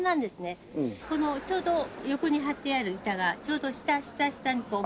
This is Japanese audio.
このちょうど横に張ってある板がちょうど下下下にこう。